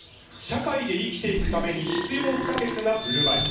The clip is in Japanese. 社会で生きていくために必要不可欠なふるまい。